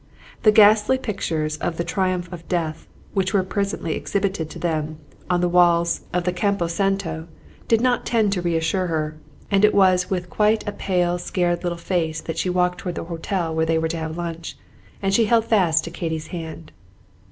The ghastly pictures of the Triumph of Death, which were presently exhibited to them on the walls of the Campo Santo, did not tend to reassure her, and it was with quite a pale, scared little face that she walked toward the hotel where they were to lunch, and she held fast to Katy's hand.